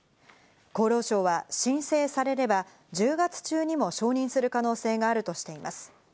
厚労省は申請されれば１０月中にも承認する可能性があるとしています。